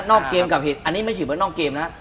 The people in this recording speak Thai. นอกเกมกับเหตุอันนี้ไม่ใช่เหมือนนอกเกมนะ